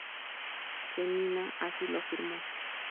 Jeannine así lo firmó.